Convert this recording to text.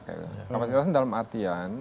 kapasitas dalam artian